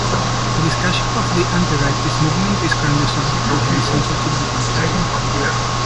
Discussion of the Anti-Rightist Movement is currently subject to heavy censorship within China.